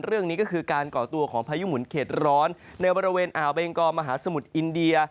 เรื่องนี้ก็คือการก่อตัวของพายุหมุนเข็ดร้อนในบริเวณอ่าวเบงกอมหาสมุทรอินเดีย